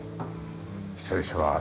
失礼します。